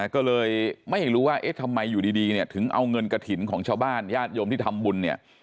ก็เลยไม่รู้ว่าทำไมอยู่ดีถึงเอาเงินกระถิ่นของชาวบ้านญาติโยมที่ทำบุญ